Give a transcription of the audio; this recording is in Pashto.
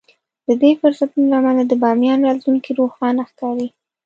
د دې فرصتونو له امله د باميان راتلونکی روښانه ښکاري.